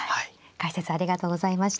解説ありがとうございました。